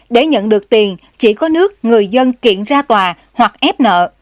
để nhận được tiền chỉ có nước người dân kiện ra tòa hoặc ép nợ